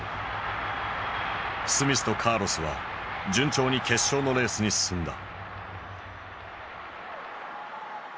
スミスとカーロスは順調に決勝のレースに進んだ。